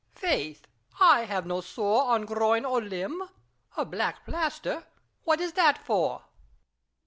Faith ! I have no sore on groin or limb. A black plaster ! what is that for?